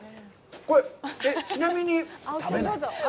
これ、えっ、ちなみに。